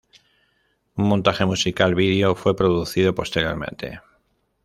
Un montaje musical video fue producido posteriormente.